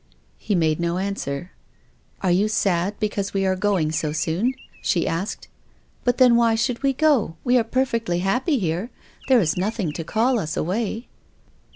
He made no answer. " Are you sad because we are going so soon ?" she asked. " But then why should we go ? We are perfectly happy here. There is nothing to call us away."